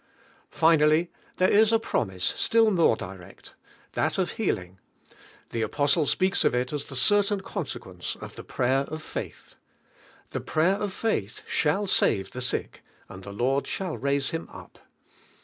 Finally, there is a promise still more direct — that of healing; the apostle speaks of ii :ih the certain consequence of I lie grayer of faith. "The prayer of faith shall save the side, and the Lord shall raise liiro up."